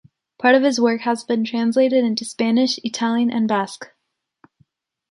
Part of his work has been translated into Spanish, Italian and Basque.